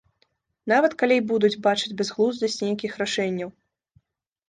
Нават калі і будуць бачыць бязглуздасць нейкіх рашэнняў.